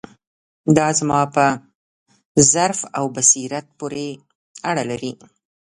دا زما په ظرف او بصیرت پورې اړه لري.